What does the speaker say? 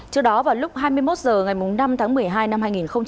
trước đó vào lúc hai mươi một h ngày năm tháng một mươi hai năm hai nghìn hai mươi